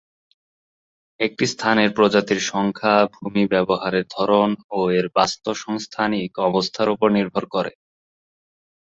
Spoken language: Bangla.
একটি স্থানের প্রজাতির সংখ্যা ভূমির ব্যবহারের ধরন ও এর বাস্ত্তসংস্থানিক অবস্থার ওপর নির্ভর করে।